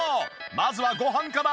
まずはご飯から。